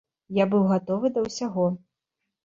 Я быў гатовы да ўсяго.